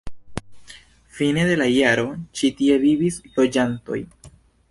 Fine de la jaro ĉi tie vivis loĝantoj.